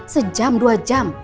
sejam dua jam